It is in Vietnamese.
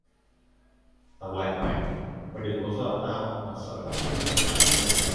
Tao lạy mày Mày đừng có dọa tao tao sợ lắm